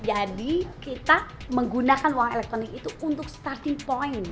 jadi kita menggunakan uang elektronik itu untuk starting point